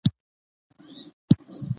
د مېلو پر مهال د موسیقۍ آلات ږغول کيږي.